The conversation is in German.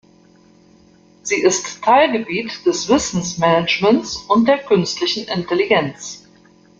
Sie ist Teilgebiet des Wissensmanagements und der künstlichen Intelligenz.